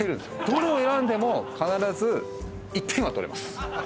どれを選んでも必ず１点は取れます。